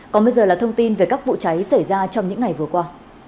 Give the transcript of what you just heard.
còn bây giờ là thông tin về các vụ cháy xảy ra trong những ngày vừa qua